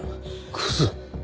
クズ？